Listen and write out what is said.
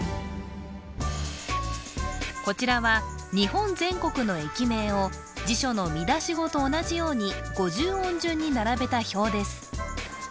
こちらは日本全国の駅名を辞書の見出し語と同じように五十音順に並べた表です